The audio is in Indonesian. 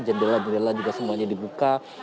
jendela jendela juga semuanya dibuka